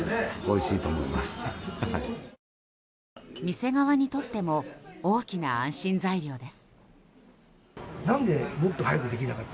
店側にとっても大きな安心材料です。